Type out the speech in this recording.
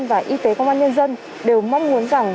và y tế công an nhân dân đều mong muốn rằng